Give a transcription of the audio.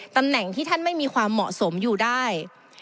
ตำแหน่งที่ท่านไม่มีความเหมาะสมอยู่ได้